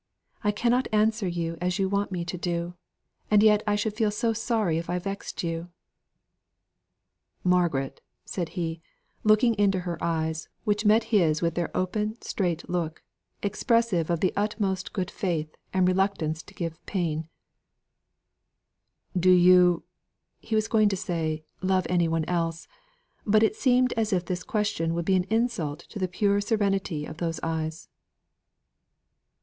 I cannot answer you as you want me to do, and yet I should feel so sorry if I vexed you." "Margaret," said he, looking into her eyes, which met his with their open, straight look, expressive of the utmost good faith and reluctance to give pain, "Do you" he was going to say "love any one else?" But it seemed as if this question would be an insult to the pure serenity of those eyes.